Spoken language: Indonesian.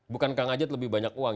bukan kang ajat lebih banyak uang